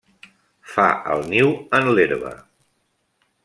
Fa el niu en l'herba.